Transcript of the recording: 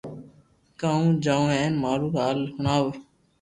ڪنو جاو ھين مارو ھال ھڻاوو